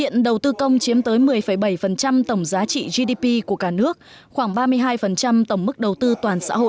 các công chiếm tới một mươi bảy tổng giá trị gdp của cả nước khoảng ba mươi hai tổng mức đầu tư toàn xã hội